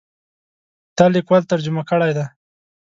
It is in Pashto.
دا لیکوال ترجمه کړی دی.